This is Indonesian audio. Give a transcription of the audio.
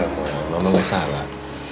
nggak mama gak salah